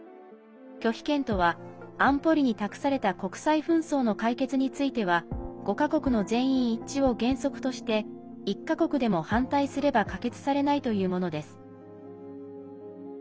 拒否権とは、安保理に託された国際紛争の解決については５か国の全員一致を原則として１か国でも反対すれば可決されないというものです。